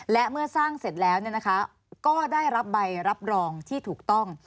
และเมื่อสร้างเสร็จแล้วก็ได้รับใบรับรองที่ถูกต้อง